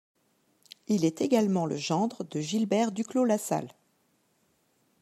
Il est également le gendre de Gilbert Duclos-Lassalle.